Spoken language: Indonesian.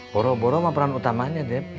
boroboro mah peran utamanya deb